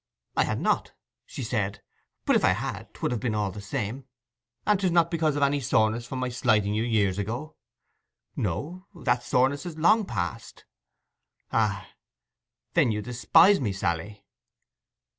'I had not,' she said. 'But if I had 'twould have been all the same.' 'And 'tis not because of any soreness from my slighting you years ago?' 'No. That soreness is long past.' 'Ah—then you despise me, Sally?